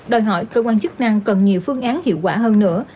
đòi hỏi cơ quan chức năng cần nhiều phương án hiệu quả hơn nữa